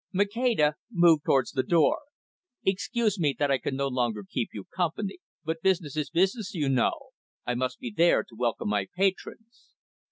Maceda moved towards the door. "Excuse me that I can no longer keep you company. But business is business, you know. I must be there to welcome my patrons.